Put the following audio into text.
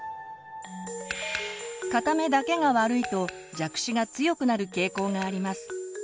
片目だけが悪いと弱視が強くなる傾向があります。